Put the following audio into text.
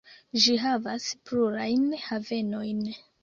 Ĝi havas plurajn havenojn.